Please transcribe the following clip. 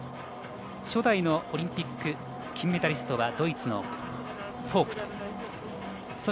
初代のオリンピック金メダリストドイツのフォークト。